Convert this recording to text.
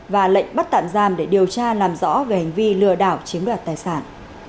và lệnh bắt tạm giam để điều tra làm rõ về hành vi lừa đảo chiếm đoạt tài sản